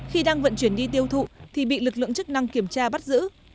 khi đang vận chuyển đi tiêu thụ thì bị lực lượng chức năng kiểm tra bắt giữ